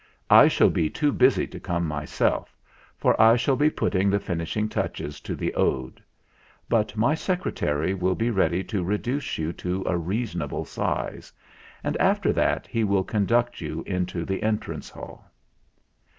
I shall be too busy to come myself, for I shall be putting the finishing touches to the Ode. But my Secre 108 THE FLINT HEART tary will be ready to reduce you to a reason able size; and after that he will conduct you into the entrance hall."